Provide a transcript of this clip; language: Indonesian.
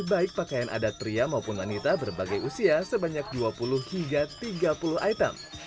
baik pakaian adat pria maupun wanita berbagai usia sebanyak dua puluh hingga tiga puluh item